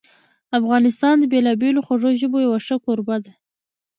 افغانستان د بېلابېلو خوږو ژبو یو ښه کوربه ده.